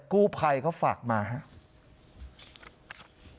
กู้ภัยเขาฝากมาฮะ